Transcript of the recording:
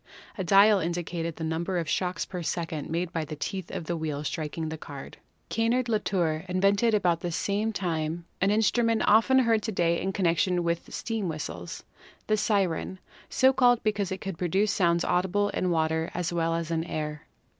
A dial indicated the number of shocks per second made by the teeth of the wheel striking the card. Caignard Latour invented about the same time an in 122 PHYSICS strument often heard to day in connection with steam whistles — the siren — so called because it could produce sounds audible in water as well as in air.